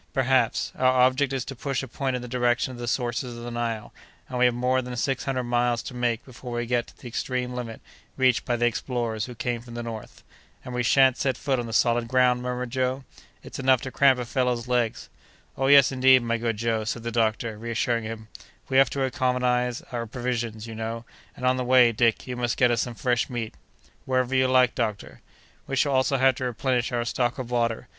"Perhaps. Our object is to push a point in the direction of the sources of the Nile; and we have more than six hundred miles to make before we get to the extreme limit reached by the explorers who came from the north." "And we shan't set foot on the solid ground?" murmured Joe; "it's enough to cramp a fellow's legs!" "Oh, yes, indeed, my good Joe," said the doctor, reassuring him; "we have to economize our provisions, you know; and on the way, Dick, you must get us some fresh meat." "Whenever you like, doctor." "We shall also have to replenish our stock of water.